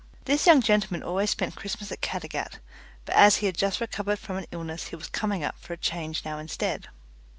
This young gentleman always spent Christmas at Caddagat, but as he had just recovered from an illness he was coming up for a change now instead.